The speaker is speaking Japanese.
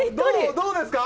どうですか？